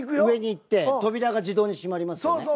上に行って扉が自動に閉まりますよね。